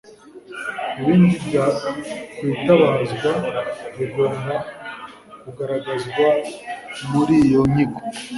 ibindi byakwitabazwa bigomba kugaragazwa muri iyo nyigo